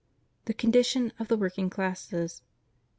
THE CONDITION OF THE WORKING CLASSES.